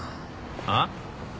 あっ？